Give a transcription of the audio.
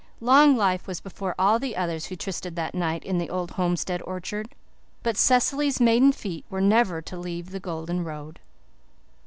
Long life was before all the others who trysted that night in the old homestead orchard; but Cecily's maiden feet were never to leave the golden road.